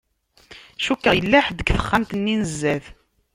Cukkeɣ yella ḥedd deg texxamt-nni n zdat.